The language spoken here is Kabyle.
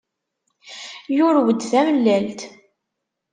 Yurew-d tamellalt.